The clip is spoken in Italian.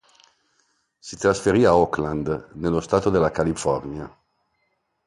Si trasferì a Oakland, nello stato della California.